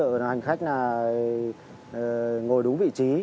đồng thời hành khách là ngồi đúng vị trí